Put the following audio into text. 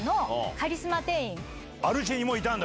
アルシェにもいたんだ